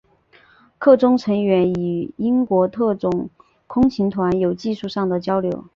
课中成员与英国特种空勤团有技术上的交流。